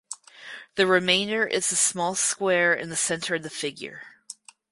The remainder is the small square in the center of the figure.